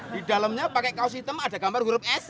di dalamnya pakai kaos hitam ada gambar huruf s